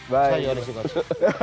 bukan joris juga coach